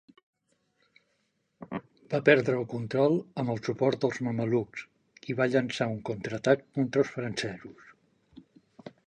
Va prendre el control amb el suport dels mamelucs i va llançar un contraatac contra els francesos.